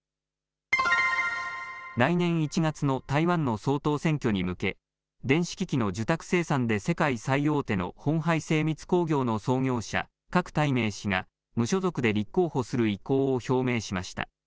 来年１月の台湾の総統選挙に向け、電子機器の受託生産で世界最大手のホンハイ精密工業の創業者、郭台銘氏が、無所属で立候補する意向を表明しました。